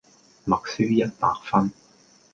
默書一百分